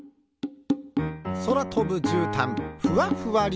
そらとぶじゅうたんふわふわり。